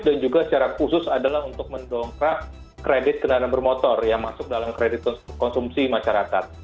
dan juga secara khusus adalah untuk mendongkrak kredit kendaraan bermotor yang masuk dalam kredit konsumsi masyarakat